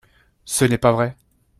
Ce n’est pas vrai